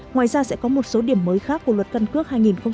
ngoài ra sẽ có một số điểm mới khác của luật căn cước hai nghìn hai mươi ba